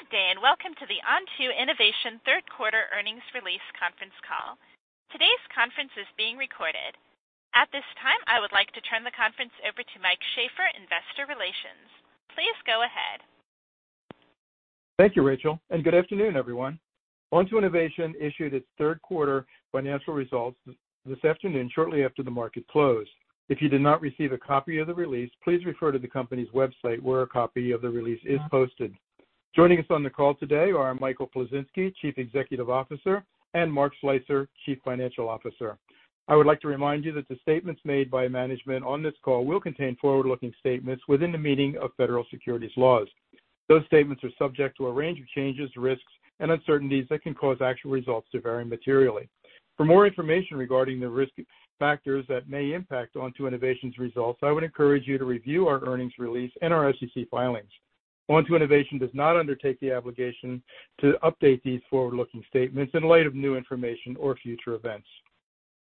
Good day, and welcome to the Onto Innovation third quarter earnings release conference call. Today's conference is being recorded. At this time, I would like to turn the conference over to Mike Sheaffer, Investor Relations. Please go ahead. Thank you, Rachel, and good afternoon, everyone. Onto Innovation issued its third quarter financial results this afternoon, shortly after the market closed. If you did not receive a copy of the release, please refer to the company's website, where a copy of the release is posted. Joining us on the call today are Michael Plisinski, Chief Executive Officer, and Mark Slicer, Chief Financial Officer. I would like to remind you that the statements made by management on this call will contain forward-looking statements within the meaning of federal securities laws. Those statements are subject to a range of changes, risks, and uncertainties that can cause actual results to vary materially. For more information regarding the risk factors that may impact Onto Innovation's results, I would encourage you to review our earnings release and our SEC filings. Onto Innovation does not undertake the obligation to update these forward-looking statements in light of new information or future events.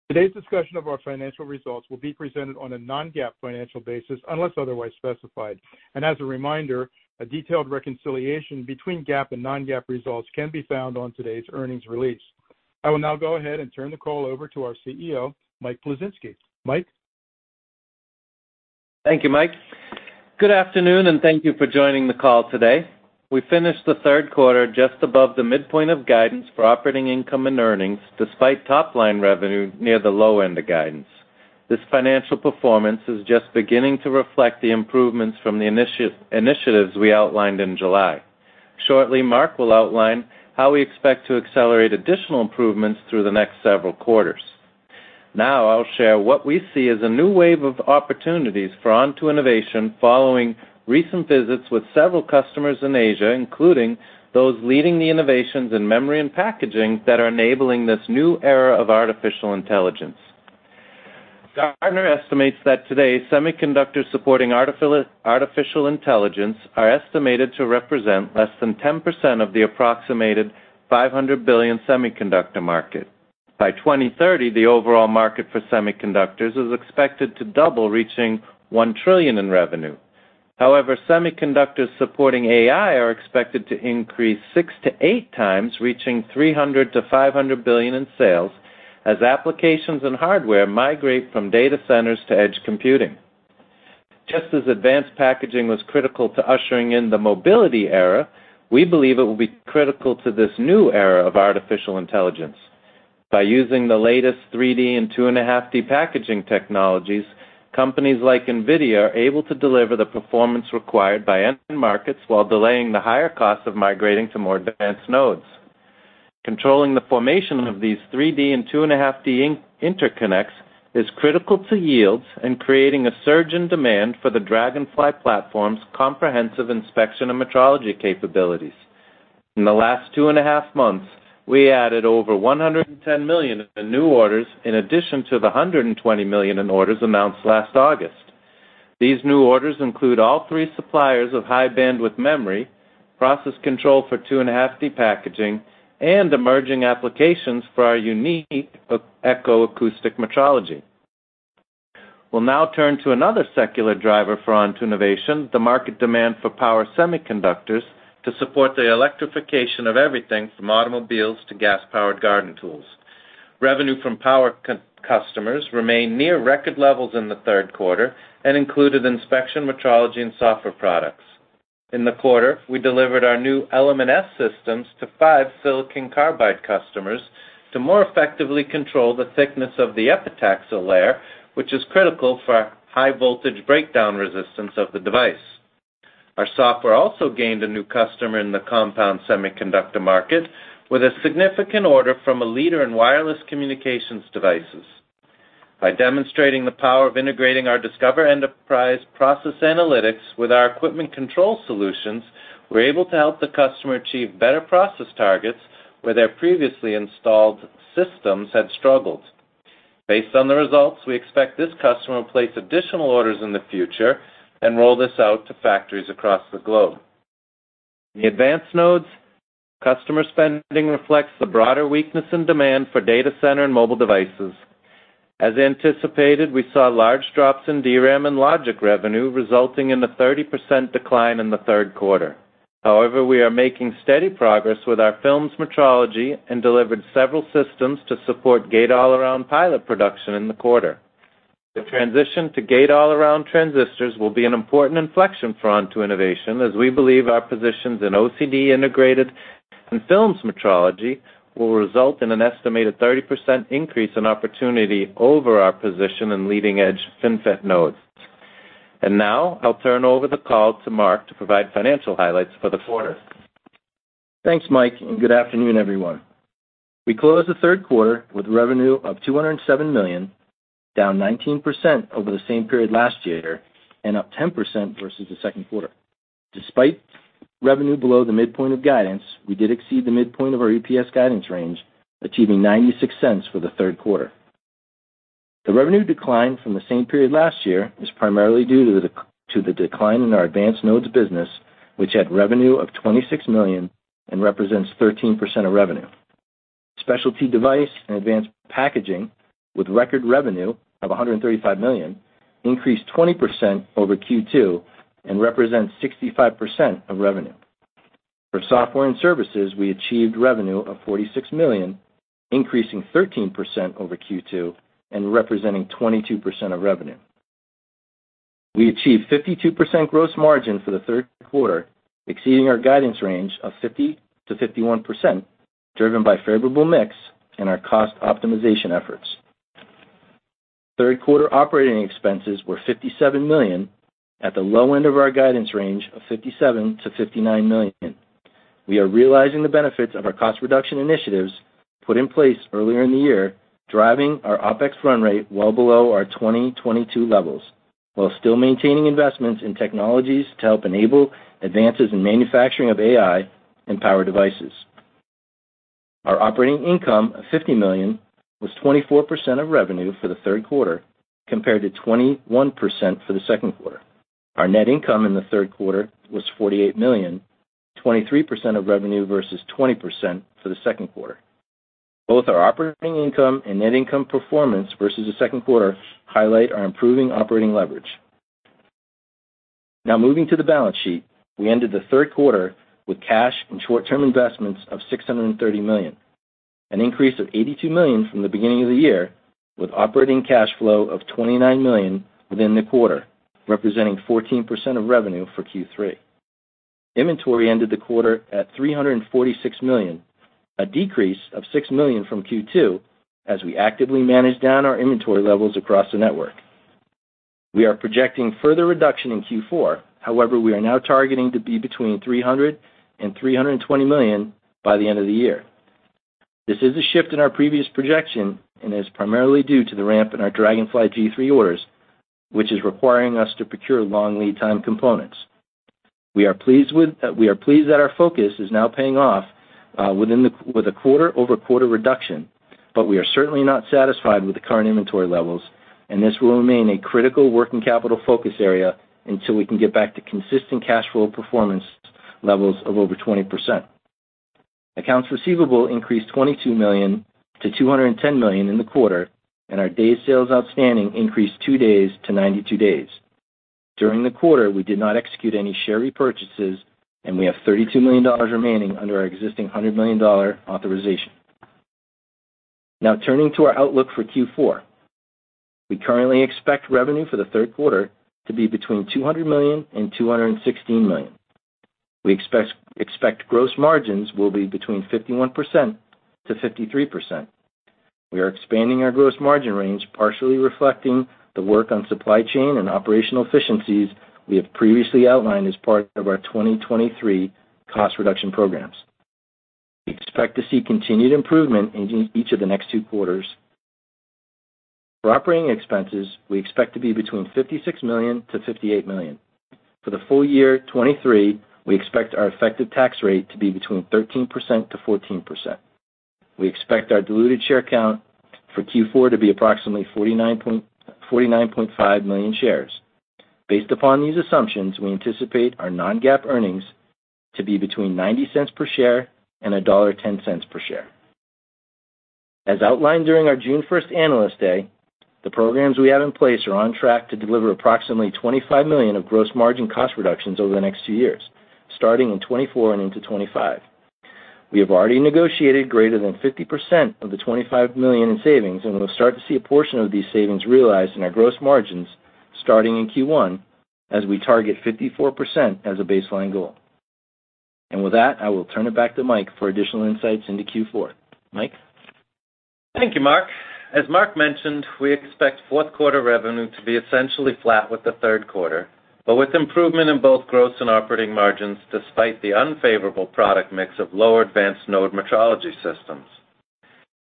Today's discussion of our financial results will be presented on a non-GAAP financial basis, unless otherwise specified. As a reminder, a detailed reconciliation between GAAP and non-GAAP results can be found on today's earnings release. I will now go ahead and turn the call over to our CEO, Mike Plisinski. Mike? Thank you, Mike. Good afternoon, and thank you for joining the call today. We finished the third quarter just above the midpoint of guidance for operating income and earnings, despite top-line revenue near the low end of guidance. This financial performance is just beginning to reflect the improvements from the initiatives we outlined in July. Shortly, Mark will outline how we expect to accelerate additional improvements through the next several quarters. Now I'll share what we see as a new wave of opportunities for Onto Innovation, following recent visits with several customers in Asia, including those leading the innovations in memory and packaging that are enabling this new era of artificial intelligence. Gartner estimates that today, semiconductors supporting artificial intelligence are estimated to represent less than 10% of the approximated $500 billion semiconductor market. By 2030, the overall market for semiconductors is expected to double, reaching $1 trillion in revenue. However, semiconductors supporting AI are expected to increase six to eight times, reaching $300 billion-$500 billion in sales, as applications and hardware migrate from data centers to edge computing. Just as advanced packaging was critical to ushering in the mobility era, we believe it will be critical to this new era of artificial intelligence. By using the latest 3D and 2.5D packaging technologies, companies like NVIDIA are able to deliver the performance required by end markets while delaying the higher costs of migrating to more advanced nodes. Controlling the formation of these 3D and 2.5D interconnects is critical to yields and creating a surge in demand for the Dragonfly platform's comprehensive inspection and metrology capabilities. In the last 2.5 months, we added over $110 million in new orders, in addition to the $120 million in orders announced last August. These new orders include all three suppliers of high-bandwidth memory, process control for 2.5D packaging, and emerging applications for our unique Echo acoustic metrology. We'll now turn to another secular driver for Onto Innovation, the market demand for power semiconductors, to support the electrification of everything from automobiles to gas-powered garden tools. Revenue from power customers remained near record levels in the third quarter and included inspection, metrology, and software products. In the quarter, we delivered our new Element S systems to five silicon carbide customers to more effectively control the thickness of the epitaxial layer, which is critical for high voltage breakdown resistance of the device. Our software also gained a new customer in the compound semiconductor market, with a significant order from a leader in wireless communications devices. By demonstrating the power of integrating our Discover Enterprise process analytics with our equipment control solutions, we're able to help the customer achieve better process targets where their previously installed systems had struggled. Based on the results, we expect this customer will place additional orders in the future and roll this out to factories across the globe. In the Advanced nodes, customer spending reflects the broader weakness in demand for data center and mobile devices. As anticipated, we saw large drops in DRAM and logic revenue, resulting in a 30% decline in the third quarter. However, we are making steady progress with our films metrology and delivered several systems to support gate-all-around pilot production in the quarter. The transition to gate-all-around transistors will be an important inflection for Onto Innovation, as we believe our positions in OCD integrated and films metrology will result in an estimated 30% increase in opportunity over our position in leading-edge FinFET nodes. And now, I'll turn over the call to Mark to provide financial highlights for the quarter. Thanks, Mike, and good afternoon, everyone. We closed the third quarter with revenue of $207 million, down 19% over the same period last year, and up 10% versus the second quarter. Despite revenue below the midpoint of guidance, we did exceed the midpoint of our EPS guidance range, achieving $0.96 for the third quarter. The revenue decline from the same period last year is primarily due to the decline in our advanced nodes business, which had revenue of $26 million and represents 13% of revenue. Specialty device and advanced packaging, with record revenue of $135 million, increased 20% over Q2, and represents 65% of revenue. For software and services, we achieved revenue of $46 million, increasing 13% over Q2, and representing 22% of revenue. We achieved 52% gross margin for the third quarter, exceeding our guidance range of 50%-51%, driven by favorable mix and our cost optimization efforts. Third quarter operating expenses were $57 million, at the low end of our guidance range of $57 million-$59 million. We are realizing the benefits of our cost reduction initiatives put in place earlier in the year, driving our OpEx run rate well below our 2022 levels, while still maintaining investments in technologies to help enable advances in manufacturing of AI and power devices. Our operating income of $50 million was 24% of revenue for the third quarter, compared to 21% for the second quarter. Our net income in the third quarter was $48 million, 23% of revenue versus 20% for the second quarter. Both our operating income and net income performance versus the second quarter highlight our improving operating leverage. Now moving to the balance sheet. We ended the third quarter with cash and short-term investments of $630 million, an increase of $82 million from the beginning of the year, with operating cash flow of $29 million within the quarter, representing 14% of revenue for Q3. Inventory ended the quarter at $346 million, a decrease of $6 million from Q2, as we actively managed down our inventory levels across the network. We are projecting further reduction in Q4. However, we are now targeting to be between $300 million and $320 million by the end of the year. This is a shift in our previous projection and is primarily due to the ramp in our Dragonfly G3 orders, which is requiring us to procure long lead time components. We are pleased that our focus is now paying off within the, with a quarter-over-quarter reduction, but we are certainly not satisfied with the current inventory levels, and this will remain a critical working capital focus area until we can get back to consistent cash flow performance levels of over 20%. Accounts receivable increased $22 million to $210 million in the quarter, and our day sales outstanding increased 2 days to 92 days. During the quarter, we did not execute any share repurchases, and we have $32 million remaining under our existing $100 million authorization. Now turning to our outlook for Q4. We currently expect revenue for the third quarter to be between $200 million and $216 million. We expect gross margins will be between 51%-53%. We are expanding our gross margin range, partially reflecting the work on supply chain and operational efficiencies we have previously outlined as part of our 2023 cost reduction programs. We expect to see continued improvement in each of the next two quarters. For operating expenses, we expect to be between $56 million and $58 million. For the full year 2023, we expect our effective tax rate to be between 13%-14%. We expect our diluted share count for Q4 to be approximately 49.5 million shares. Based upon these assumptions, we anticipate our non-GAAP earnings to be between $0.90 per share and $1.10 per share. As outlined during our June 1st Analyst Day, the programs we have in place are on track to deliver approximately $25 million of gross margin cost reductions over the next two years, starting in 2024 and into 2025. We have already negotiated greater than 50% of the $25 million in savings, and we'll start to see a portion of these savings realized in our gross margins, starting in Q1, as we target 54% as a baseline goal. And with that, I will turn it back to Mike for additional insights into Q4. Mike? Thank you, Mark. As Mark mentioned, we expect fourth quarter revenue to be essentially flat with the third quarter, but with improvement in both gross and operating margins, despite the unfavorable product mix of lower advanced node metrology systems.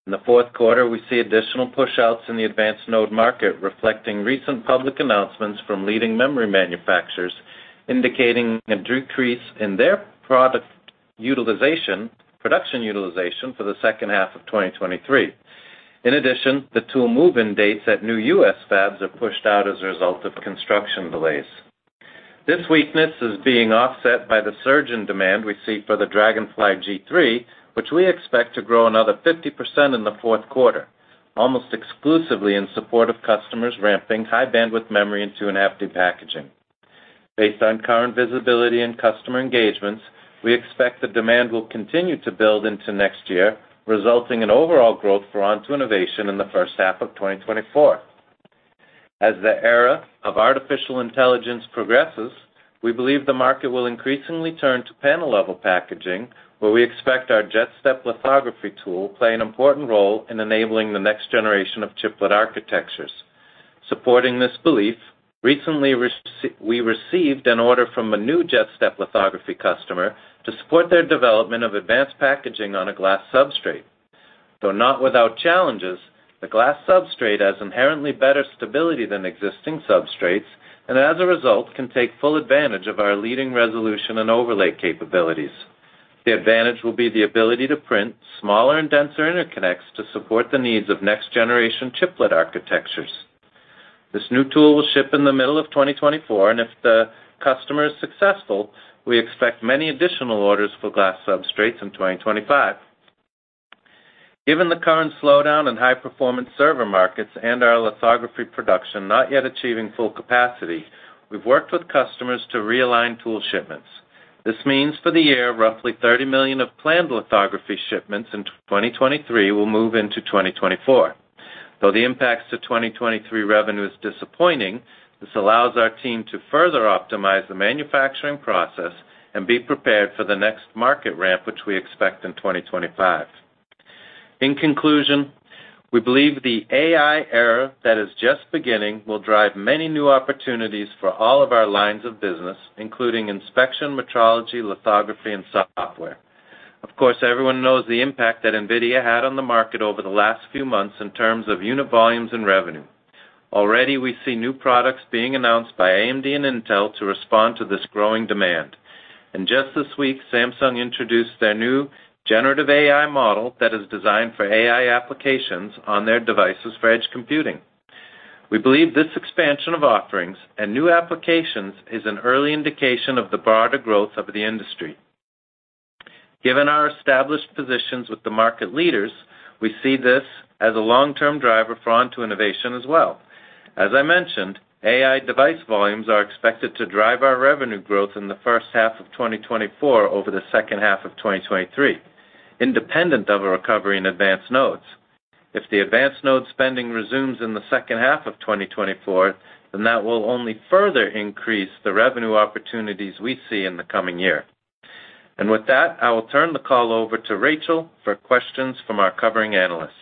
In the fourth quarter, we see additional pushouts in the advanced node market, reflecting recent public announcements from leading memory manufacturers, indicating a decrease in their production utilization for the second half of 2023. In addition, the tool move-in dates at new U.S. fabs are pushed out as a result of construction delays. This weakness is being offset by the surge in demand we see for the Dragonfly G3, which we expect to grow another 50% in the fourth quarter, almost exclusively in support of customers ramping high-bandwidth memory into fan-out packaging. Based on current visibility and customer engagements, we expect the demand will continue to build into next year, resulting in overall growth for Onto Innovation in the first half of 2024. As the era of artificial intelligence progresses, we believe the market will increasingly turn to panel-level packaging, where we expect our JetStep lithography tool play an important role in enabling the next generation of chiplet architectures. Supporting this belief, recently we received an order from a new JetStep lithography customer to support their development of advanced packaging on a glass substrate. Though not without challenges, the glass substrate has inherently better stability than existing substrates, and as a result, can take full advantage of our leading resolution and overlay capabilities. The advantage will be the ability to print smaller and denser interconnects to support the needs of next-generation chiplet architectures. This new tool will ship in the middle of 2024, and if the customer is successful, we expect many additional orders for glass substrates in 2025. Given the current slowdown in high-performance server markets and our lithography production not yet achieving full capacity, we've worked with customers to realign tool shipments. This means for the year, roughly $30 million of planned lithography shipments in 2023 will move into 2024. Though the impacts to 2023 revenue is disappointing, this allows our team to further optimize the manufacturing process and be prepared for the next market ramp, which we expect in 2025. In conclusion, we believe the AI era that is just beginning will drive many new opportunities for all of our lines of business, including inspection, metrology, lithography, and software. Of course, everyone knows the impact that NVIDIA had on the market over the last few months in terms of unit volumes and revenue. Already, we see new products being announced by AMD and Intel to respond to this growing demand. Just this week, Samsung introduced their new generative AI model that is designed for AI applications on their devices for edge computing. We believe this expansion of offerings and new applications is an early indication of the broader growth of the industry. Given our established positions with the market leaders, we see this as a long-term driver for Onto Innovation as well. As I mentioned, AI device volumes are expected to drive our revenue growth in the first half of 2024 over the second half of 2023, independent of a recovery in advanced nodes. If the advanced node spending resumes in the second half of 2024, then that will only further increase the revenue opportunities we see in the coming year. With that, I will turn the call over to Rachel for questions from our covering analysts.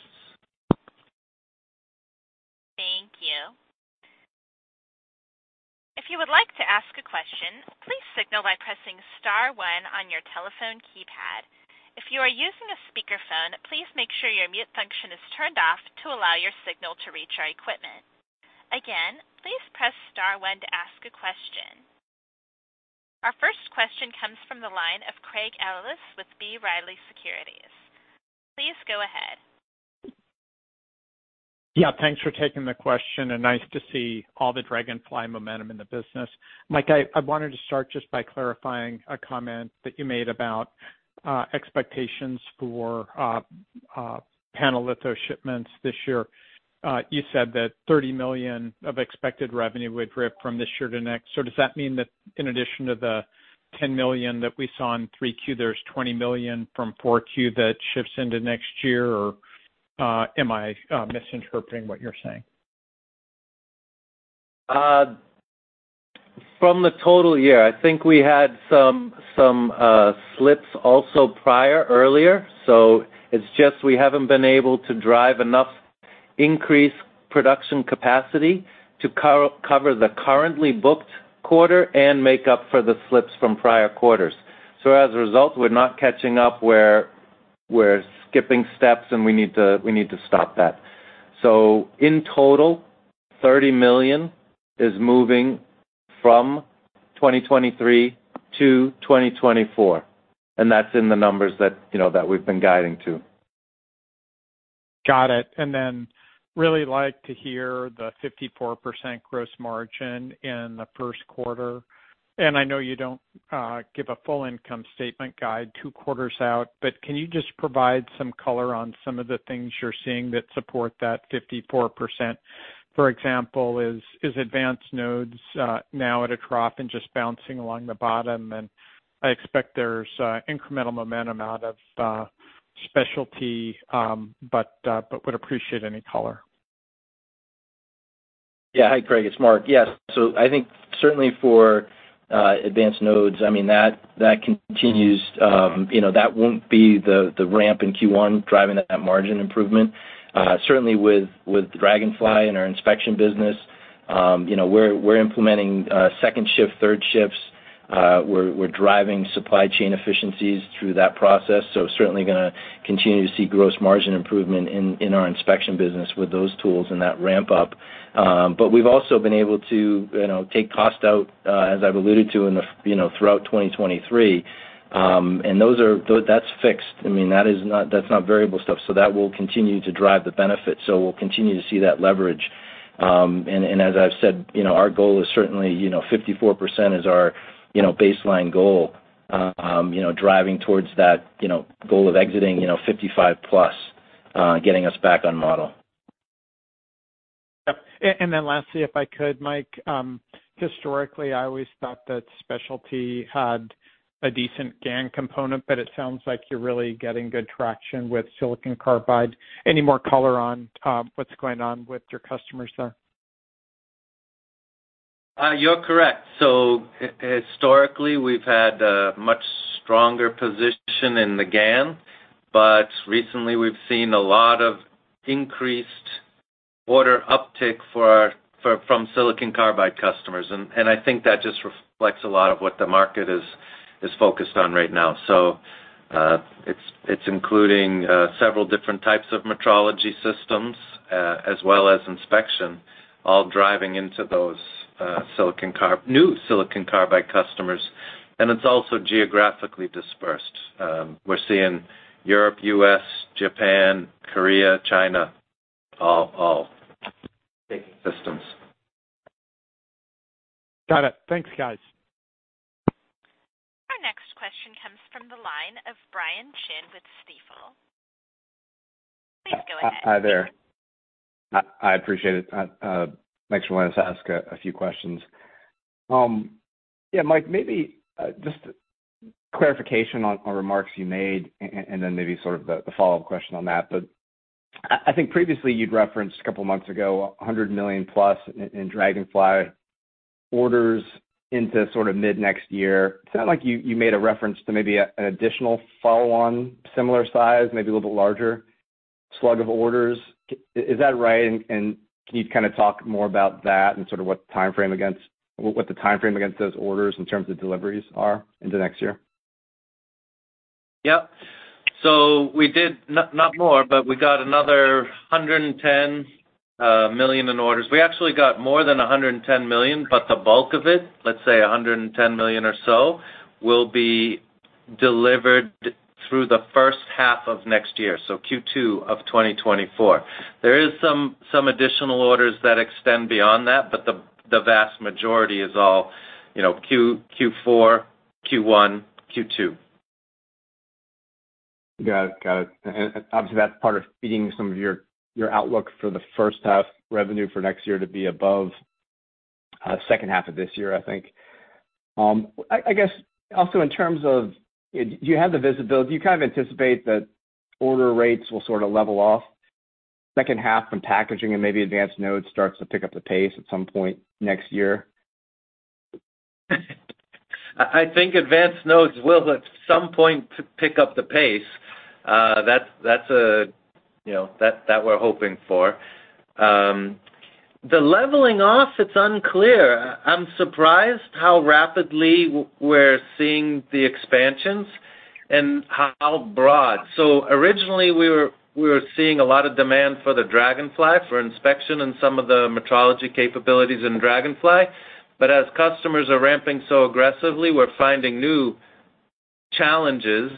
Thank you. If you would like to ask a question, please signal by pressing star one on your telephone keypad. If you are using a speakerphone, please make sure your mute function is turned off to allow your signal to reach our equipment. Again, please press star one to ask a question. Our first question comes from the line of Craig Ellis with B. Riley Securities. Please go ahead. Yeah, thanks for taking the question, and nice to see all the Dragonfly momentum in the business. Mike, I wanted to start just by clarifying a comment that you made about expectations for panel litho shipments this year. You said that $30 million of expected revenue would rip from this year to next. So does that mean that in addition to the $10 million that we saw in 3Q, there's $20 million from 4Q that shifts into next year, or am I misinterpreting what you're saying? From the total year, I think we had some slips also prior, earlier, so it's just we haven't been able to drive enough increased production capacity to cover the currently booked quarter and make up for the slips from prior quarters. So as a result, we're not catching up. We're skipping steps, and we need to stop that. So in total, $30 million is moving from 2023 to 2024, and that's in the numbers that, you know, that we've been guiding to. Got it. And then really like to hear the 54% gross margin in the first quarter. And I know you don't give a full income statement guide two quarters out, but can you just provide some color on some of the things you're seeing that support that 54%? For example, is advanced nodes now at a trough and just bouncing along the bottom? And I expect there's incremental momentum out of specialty, but would appreciate any color. Yeah. Hi, Craig, it's Mark. Yes. So I think certainly for advanced nodes, I mean, that continues, you know, that won't be the ramp in Q1 driving that margin improvement. Certainly with Dragonfly in our inspection business, you know, we're implementing second shift, third shifts. We're driving supply chain efficiencies through that process, so certainly gonna continue to see gross margin improvement in our inspection business with those tools and that ramp up. But we've also been able to, you know, take cost out, as I've alluded to in the, you know, throughout 2023. And those are. That's fixed. I mean, that is not, that's not variable stuff. So that will continue to drive the benefit. So we'll continue to see that leverage. As I've said, you know, our goal is certainly, you know, 54% is our, you know, baseline goal. You know, driving towards that, you know, goal of exiting, you know, 55% plus, getting us back on model. Yep. And, and then lastly, if I could, Mike, historically, I always thought that specialty had a decent GaN component, but it sounds like you're really getting good traction with silicon carbide. Any more color on, what's going on with your customers there? You're correct. So historically, we've had a much stronger position in the GaN, but recently we've seen a lot of increased order uptick for our—from silicon carbide customers, and I think that just reflects a lot of what the market is focused on right now. So, it's including several different types of metrology systems, as well as inspection, all driving into those new silicon carbide customers and it's also geographically dispersed. We're seeing Europe, U.S., Japan, Korea, China, all taking systems. Got it. Thanks, guys. Our next question comes from the line of Brian Chin with Stifel. Please go ahead. Hi there. I appreciate it. Thanks for letting us ask a few questions. Yeah, Mike, maybe just clarification on remarks you made, and then maybe sort of the follow-up question on that. But I think previously you'd referenced a couple of months ago, $100 million plus in Dragonfly orders into sort of mid-next year. It sounds like you made a reference to maybe an additional follow-on, similar size, maybe a little bit larger slug of orders. Is that right? And can you kind of talk more about that and sort of what the timeframe against those orders in terms of deliveries are into next year? Yep. So we did not not more, but we got another $110 million in orders. We actually got more than $110 million, but the bulk of it, let's say $110 million or so, will be delivered through the first half of next year, so Q2 of 2024. There is some additional orders that extend beyond that, but the vast majority is all, you know, Q4, Q1, Q2. Got it. Got it. And obviously, that's part of feeding some of your outlook for the first half revenue for next year to be above second half of this year, I think. I guess also in terms of. Do you have the visibility? Do you kind of anticipate that order rates will sort of level off second half from packaging and maybe advanced node starts to pick up the pace at some point next year? I think advanced nodes will, at some point, pick up the pace. That's, you know, that we're hoping for. The leveling off, it's unclear. I'm surprised how rapidly we're seeing the expansions and how broad. So originally, we were seeing a lot of demand for the Dragonfly, for inspection and some of the metrology capabilities in Dragonfly. But as customers are ramping so aggressively, we're finding new challenges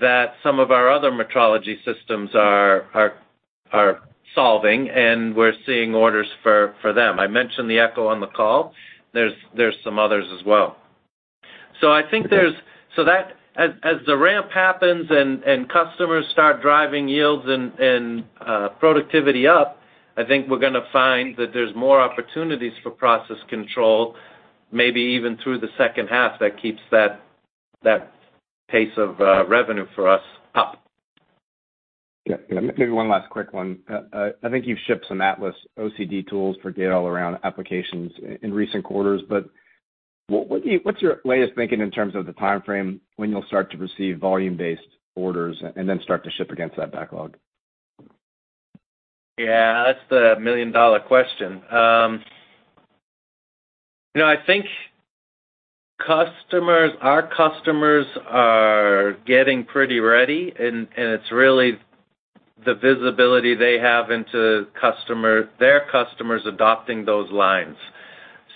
that some of our other metrology systems are solving, and we're seeing orders for them. I mentioned the Echo on the call. There's some others as well. So I think as the ramp happens and productivity up, I think we're gonna find that there's more opportunities for process control, maybe even through the second half, that keeps that pace of revenue for us up. Yeah. Maybe one last quick one. I think you've shipped some Atlas OCD tools for gate-all-around applications in recent quarters, but what's your latest thinking in terms of the timeframe when you'll start to receive volume-based orders and then start to ship against that backlog? Yeah, that's the million-dollar question. You know, I think customers, our customers are getting pretty ready, and it's really the visibility they have into customer- their customers adopting those lines.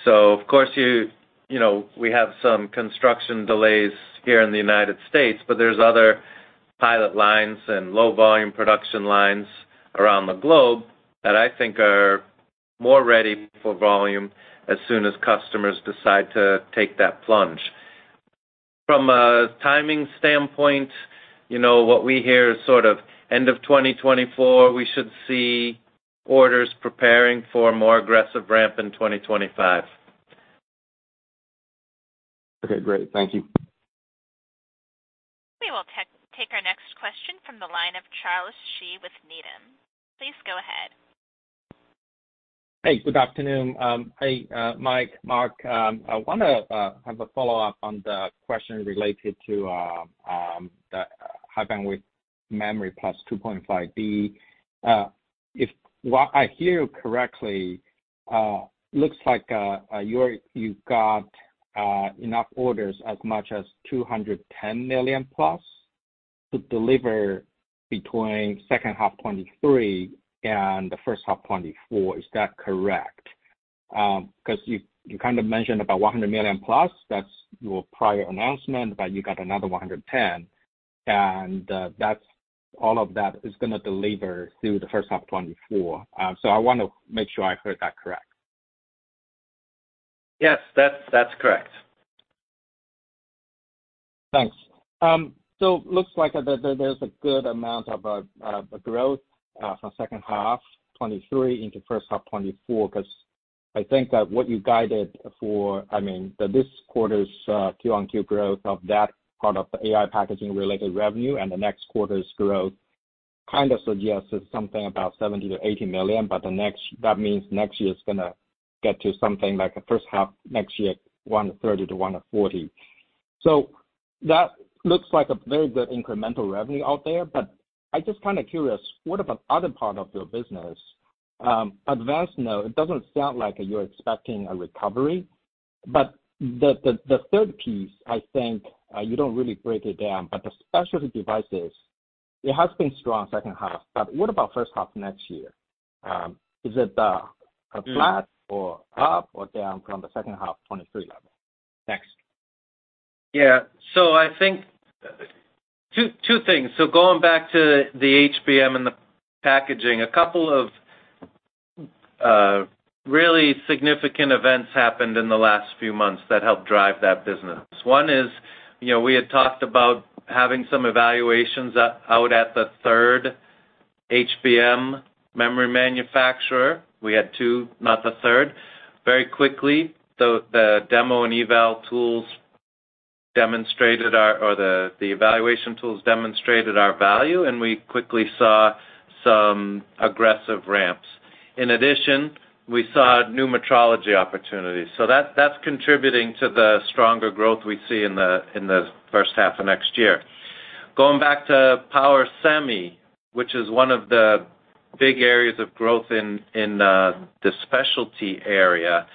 So of course, you know, we have some construction delays here in the United States, but there's other pilot lines and low-volume production lines around the globe that I think are more ready for volume as soon as customers decide to take that plunge. From a timing standpoint, you know, what we hear is sort of end of 2024, we should see orders preparing for a more aggressive ramp in 2025. Okay, great. Thank you. We will take our next question from the line of Charles Shi with Needham. Please go ahead. Hey, good afternoon. Hey, Mike, Mark, I wanna have a follow-up on the question related to the high-bandwidth memory plus 2.5D. If what I hear you correctly, looks like, you're- you've got enough orders as much as $210 million+ to deliver between second half 2023 and the first half 2024. Is that correct? Because you, you kind of mentioned about $100 million+. That's your prior announcement, but you got another $110 million, and that's, all of that is gonna deliver through the first half of 2024. So I want to make sure I heard that correct. Yes, that's correct. Thanks. So looks like there's a good amount of growth from second half 2023 into first half 2024, because I think that what you guided for, I mean, this quarter's Q-on-Q growth of that part of the AI packaging-related revenue and the next quarter's growth kind of suggests it's something about $70 million-$80 million, but that means next year is gonna get to something like the first half next year, $130 million-$140 million. So that looks like a very good incremental revenue out there, but I'm just kind of curious, what about the other part of your business? Advanced node, it doesn't sound like you're expecting a recovery, but the third piece, I think, you don't really break it down, but the specialty devices. It has been strong second half, but what about first half next year? Is it flat or up or down from the second half 2023 level? Thanks. Yeah. So I think two things. So going back to the HBM and the packaging, a couple of really significant events happened in the last few months that helped drive that business. One is, you know, we had talked about having some evaluations out at the third HBM memory manufacturer. We had two, not the third. Very quickly, the demo and eval tools demonstrated our value, and we quickly saw some aggressive ramps. In addition, we saw new metrology opportunities. So that's contributing to the stronger growth we see in the first half of next year. Going back to power semi, which is one of the big areas of growth in, in, the specialty area,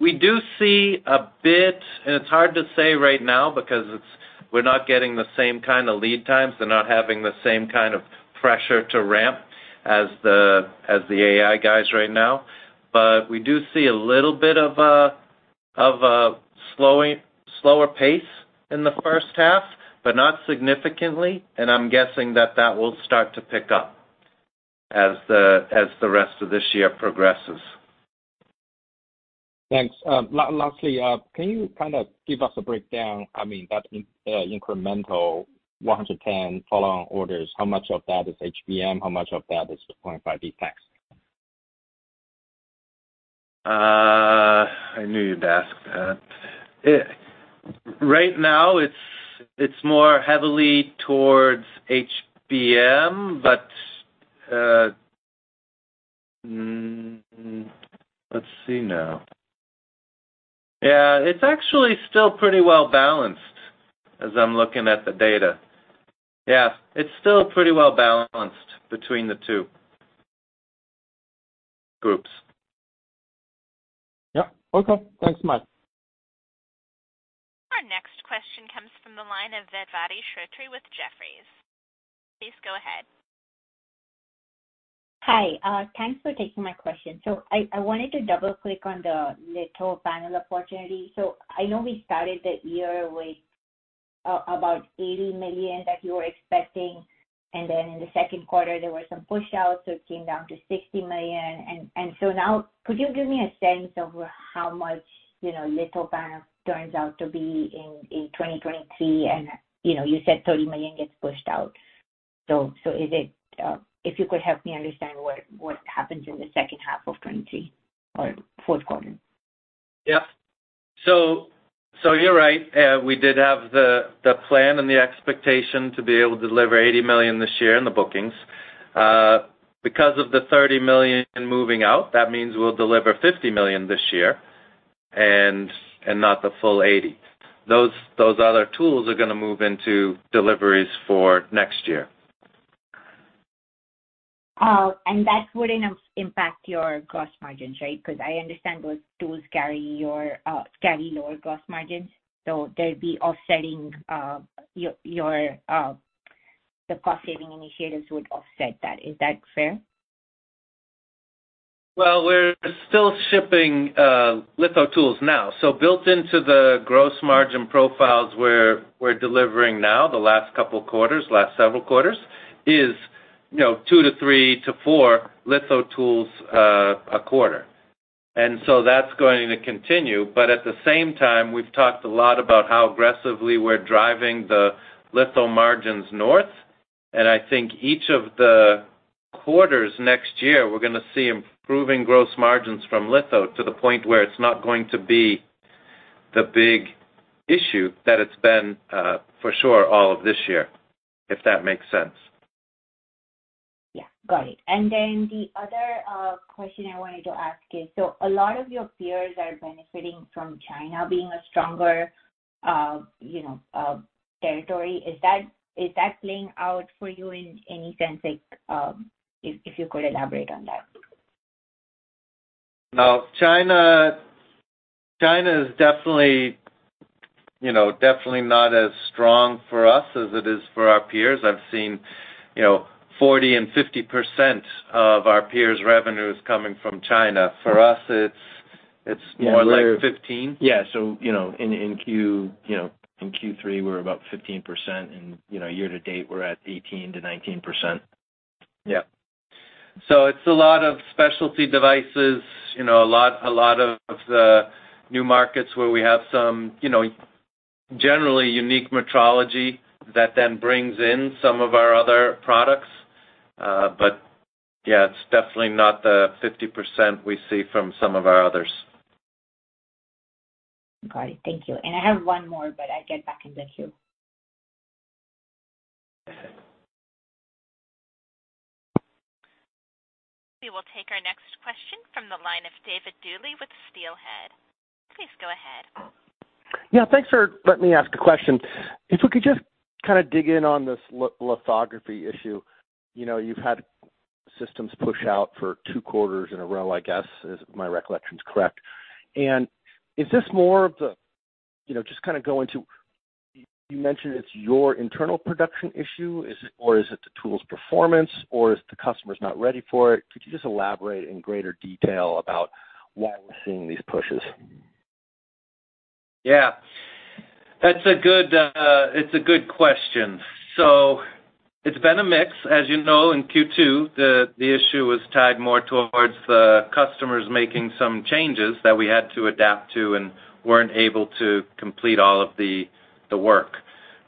we do see a bit, and it's hard to say right now because we're not getting the same kind of lead times and not having the same kind of pressure to ramp as the, as the AI guys right now. But we do see a little bit of a, of a slowing, slower pace in the first half, but not significantly, and I'm guessing that that will start to pick up as the, as the rest of this year progresses. Thanks. Lastly, can you kind of give us a breakdown, I mean, that incremental 110 follow-on orders, how much of that is HBM? How much of that is the 2.5D? I knew you'd ask that. Right now, it's more heavily towards HBM, but let's see now. Yeah, it's actually still pretty well balanced, as I'm looking at the data. Yeah, it's still pretty well balanced between the two groups. Yeah. Okay. Thanks much. Our next question comes from the line of Vedvati Shrotre with Jefferies. Please go ahead. Hi, thanks for taking my question. So I wanted to double-click on the litho panel opportunity. So I know we started the year with about $80 million that you were expecting, and then in the second quarter, there were some pushouts, so it came down to $60 million. And so now, could you give me a sense of how much, you know, litho panel turns out to be in 2023? And, you know, you said $30 million gets pushed out. So is it if you could help me understand what happens in the second half of 2023 or fourth quarter. Yeah. So, so you're right. We did have the, the plan and the expectation to be able to deliver $80 million this year in the bookings. Because of the $30 million moving out, that means we'll deliver $50 million this year and, and not the full $80 million. Those, those other tools are going to move into deliveries for next year. Oh, and that wouldn't impact your gross margins, right? Because I understand those tools carry lower gross margins, so they'll be offsetting the cost-saving initiatives would offset that. Is that fair? Well, we're still shipping litho tools now. So built into the gross margin profiles where we're delivering now, the last couple quarters, last several quarters, is, you know, 2-3-4 litho tools a quarter. And so that's going to continue. But at the same time, we've talked a lot about how aggressively we're driving the litho margins north, and I think each of the quarters next year, we're going to see improving gross margins from litho to the point where it's not going to be the big issue that it's been for sure all of this year, if that makes sense. Yeah, got it. And then the other question I wanted to ask is, so a lot of your peers are benefiting from China being a stronger, you know, territory. Is that, is that playing out for you in any sense? Like, if you could elaborate on that. Now, China, China is definitely, you know, definitely not as strong for us as it is for our peers. I've seen, you know, 40% and 50% of our peers' revenues coming from China. For us, it's, it's more like 15%. Yeah. So, you know, in Q3, we're about 15%, and, you know, year to date, we're at 18%-19%. Yeah. So it's a lot of specialty devices, you know, a lot, a lot of the new markets where we have some, you know, generally unique metrology that then brings in some of our other products. But yeah, it's definitely not the 50% we see from some of our others. Got it. Thank you. I have one more, but I get back in the queue. We will take our next question from the line of David Dooley with Steelhead. Please go ahead. Yeah, thanks for letting me ask a question. If we could just kind of dig in on this lithography issue. You know, you've had systems push out for two quarters in a row, I guess, if my recollection is correct. And is this more of... you know, just kind of go into, you mentioned it's your internal production issue, is it, or is the tool's performance, or is the customer's not ready for it? Could you just elaborate in greater detail about why we're seeing these pushes? Yeah, that's a good, it's a good question. So it's been a mix. As you know, in Q2, the issue was tied more towards the customers making some changes that we had to adapt to and weren't able to complete all of the work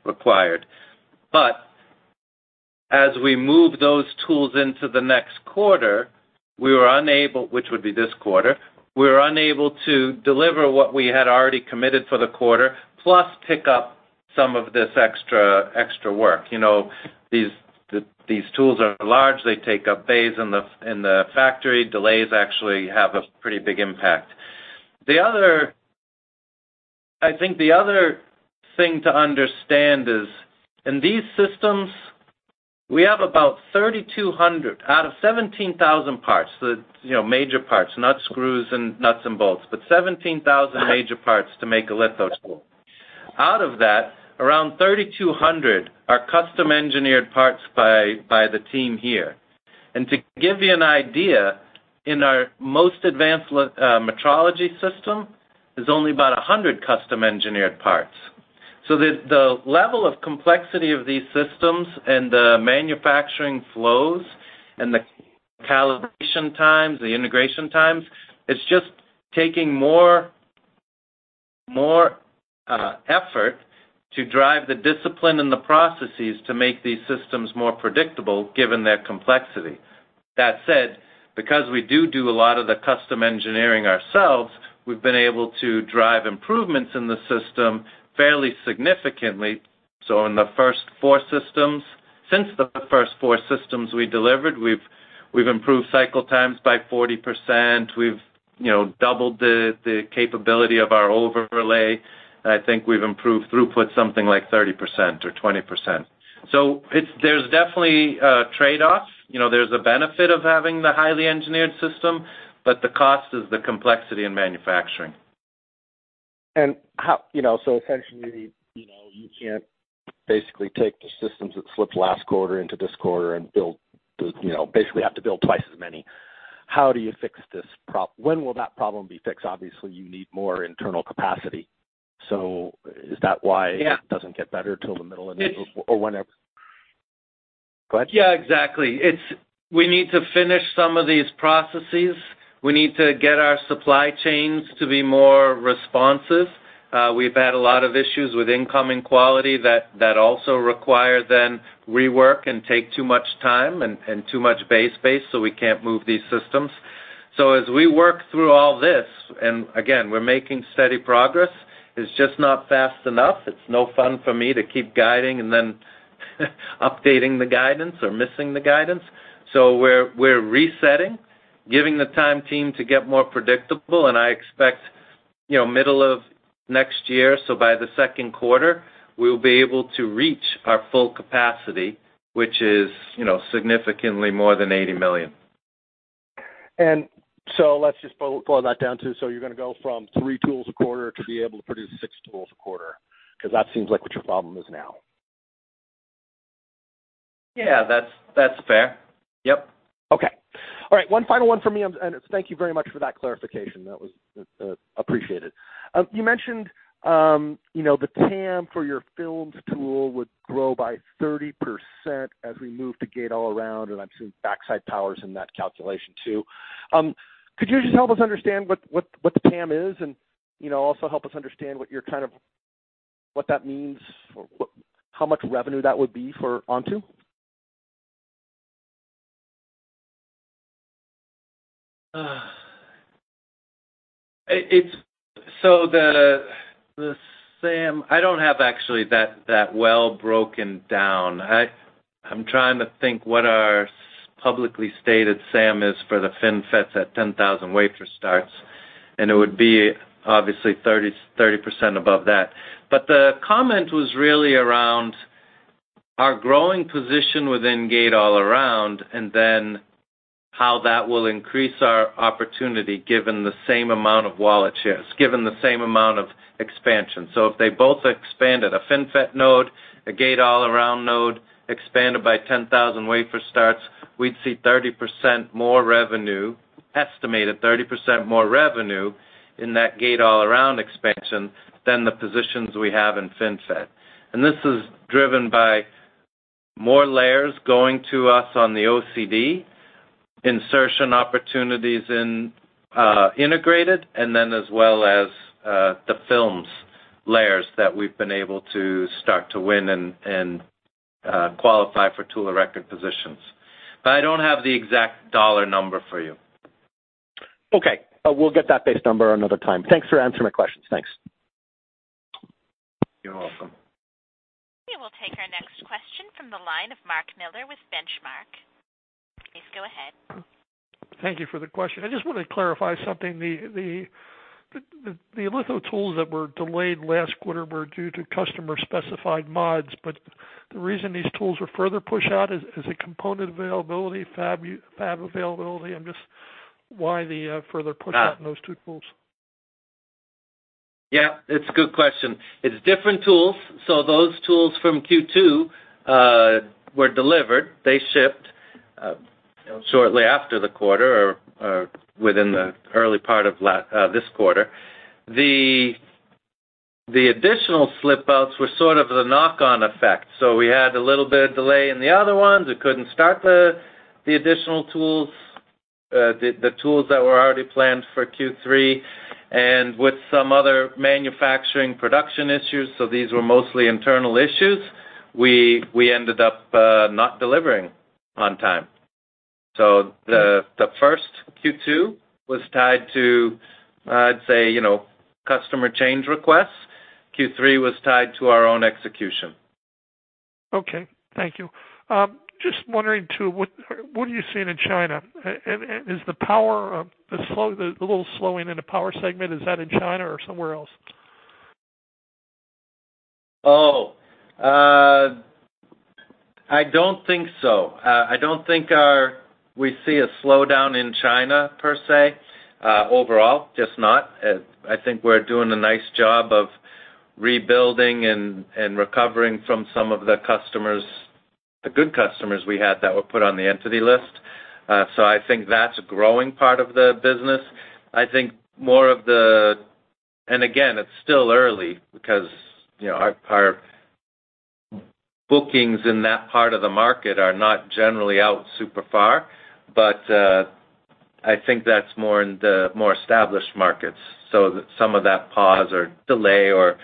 required. But as we moved those tools into the next quarter, we were unable, which would be this quarter, we were unable to deliver what we had already committed for the quarter, plus pick up some of this extra work. You know, these tools are large. They take up bays in the factory. Delays actually have a pretty big impact. The other, I think the other thing to understand is, in these systems, we have about 3,200 out of 17,000 parts, you know, major parts, not screws and nuts and bolts, but 17,000 major parts to make a litho tool. Out of that, around 3,200 are custom-engineered parts by, by the team here. And to give you an idea, in our most advanced metrology system, there's only about 100 custom-engineered parts. So the level of complexity of these systems and the manufacturing flows and the calibration times, the integration times, it's just taking more, more effort to drive the discipline and the processes to make these systems more predictable, given their complexity. That said, because we do do a lot of the custom engineering ourselves, we've been able to drive improvements in the system fairly significantly. So in the first four systems, since the first four systems we delivered, we've improved cycle times by 40%. We've, you know, doubled the capability of our overlay, and I think we've improved throughput something like 30% or 20%. So there's definitely trade-offs. You know, there's a benefit of having the highly engineered system, but the cost is the complexity in manufacturing. And how, you know, so essentially, you know, you can't basically take the systems that slipped last quarter into this quarter and build the, you know, basically have to build twice as many. How do you fix this problem? When will that problem be fixed? Obviously, you need more internal capacity. So is that why- Yeah. It doesn't get better till the middle of the year or whenever? Go ahead. Yeah, exactly. It's, we need to finish some of these processes. We need to get our supply chains to be more responsive. We've had a lot of issues with incoming quality that, that also require then rework and take too much time and, and too much base space, so we can't move these systems. So as we work through all this, and again, we're making steady progress, it's just not fast enough. It's no fun for me to keep guiding and then updating the guidance or missing the guidance. So we're, we're resetting, giving the time team to get more predictable, and I expect, you know, middle of next year, so by the second quarter, we'll be able to reach our full capacity, which is, you know, significantly more than $80 million. So let's just boil that down to, so you're gonna go from three tools a quarter to be able to produce six tools a quarter, because that seems like what your problem is now. Yeah, that's, that's fair. Yep. Okay. All right, one final one for me, and thank you very much for that clarification. That was appreciated. You mentioned, you know, the TAM for your films tool would grow by 30% as we move to Gate-All-Around, and I'm seeing backside powers in that calculation, too. Could you just help us understand what, what, what the TAM is, and, you know, also help us understand what you're kind of, what that means or what, how much revenue that would be for Onto? So the SAM, I don't have actually that well broken down. I'm trying to think what our publicly stated SAM is for the FinFETs at 10,000 wafer starts, and it would be obviously 30% above that. But the comment was really around our growing position within Gate-all-around, and then how that will increase our opportunity given the same amount of wallet shares, given the same amount of expansion. So if they both expanded, a FinFET node, a Gate-all-around node, expanded by 10,000 wafer starts, we'd see 30% more revenue, estimated 30% more revenue, in that Gate-all-around expansion than the positions we have in FinFET. This is driven by more layers going to us on the OCD, insertion opportunities in integrated, and then as well as the films layers that we've been able to start to win and qualify for tool of record positions. But I don't have the exact dollar number for you. Okay. We'll get that base number another time. Thanks for answering my questions. Thanks. You're welcome. We will take our next question from the line of Mark Miller with Benchmark. Please go ahead. Thank you for the question. I just want to clarify something. The litho tools that were delayed last quarter were due to customer-specified mods, but the reason these tools were further pushed out is a component availability, fab availability? Why the further push out in those two tools? Yeah, it's a good question. It's different tools. So those tools from Q2 were delivered. They shipped shortly after the quarter or within the early part of this quarter. The additional slip outs were sort of the knock-on effect. So we had a little bit of delay in the other ones. We couldn't start the additional tools, the tools that were already planned for Q3. And with some other manufacturing production issues, so these were mostly internal issues, we ended up not delivering on time. So the first Q2 was tied to, I'd say, you know, customer change requests. Q3 was tied to our own execution. Okay, thank you. Just wondering, too, what are you seeing in China? And is the power semi slow, the little slowing in the power segment, in China or somewhere else? Oh, I don't think so. I don't think we see a slowdown in China, per se, overall, just not. I think we're doing a nice job of rebuilding and recovering from some of the customers, the good customers we had that were put on the entity list. So I think that's a growing part of the business. I think more of the... And again, it's still early because, you know, our bookings in that part of the market are not generally out super far. But I think that's more in the more established markets, so some of that pause or delay or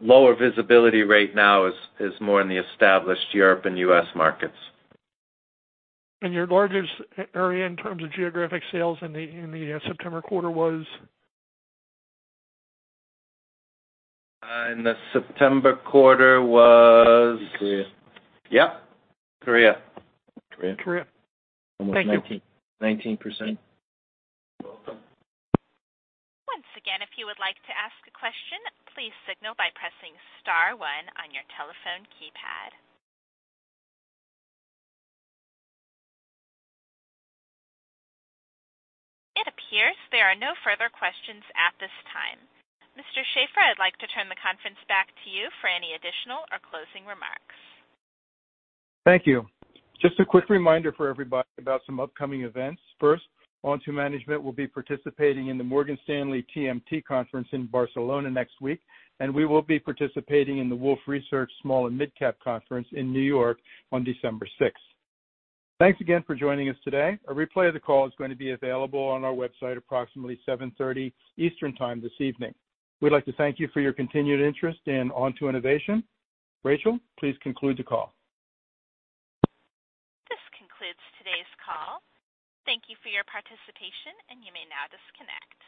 lower visibility right now is more in the established Europe and U.S. markets. Your largest area in terms of geographic sales in the September quarter was? In the September quarter was? Korea. Yep, Korea. Korea. Korea. Thank you. Almost 19, 19%. Once again, if you would like to ask a question, please signal by pressing star one on your telephone keypad. It appears there are no further questions at this time. Mr. Sheaffer, I'd like to turn the conference back to you for any additional or closing remarks. Thank you. Just a quick reminder for everybody about some upcoming events. First, Onto Management will be participating in the Morgan Stanley TMT Conference in Barcelona next week, and we will be participating in the Wolfe Research Small and Mid-Cap Conference in New York on December sixth. Thanks again for joining us today. A replay of the call is going to be available on our website at approximately 7:30 P.M. Eastern Time this evening. We'd like to thank you for your continued interest in Onto Innovation. Rachel, please conclude the call. This concludes today's call. Thank you for your participation, and you may now disconnect.